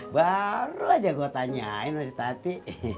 baru aja gue tanyain dari tati